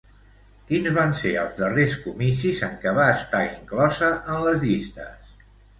Quins van ser els darrers comicis en què va estar inclosa en les llistes?